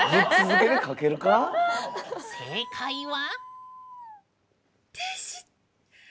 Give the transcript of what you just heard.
正解は。